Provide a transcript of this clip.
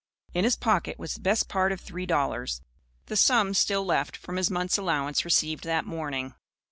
In his pocket was the best part of three dollars, the sum still left from his month's allowance received that morning.